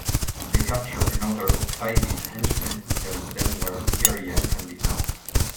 They capture another of Tibey's henchmen, who tells them where Miryea can be found.